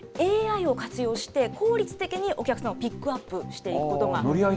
ＡＩを活用して、効率的にお客さんをピックアップしていくことが。